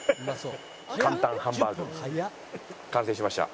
簡単ハンバーグ完成しました。